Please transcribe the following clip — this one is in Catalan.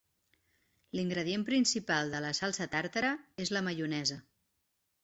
L'ingredient principal de la salsa tàrtara és la maionesa.